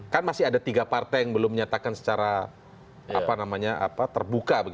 kan masih ada tiga partai yang belum menyatakan secara terbuka